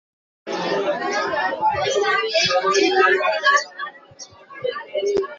বারাসত থেকে বনগাঁ পর্যন্ত যশোর রোড সম্প্রসারণে সমীক্ষার কাজ শুরু হয়েছে জাতীয় সড়ক কর্তৃপক্ষ।